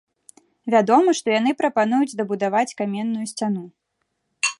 Вядома, што яны прапануюць дабудаваць каменную сцяну.